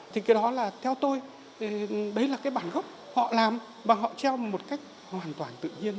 thì cái đó là theo tôi đấy là cái bản gốc họ làm và họ treo một cách hoàn toàn tự nhiên